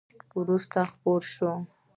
وروسته خپره شوه !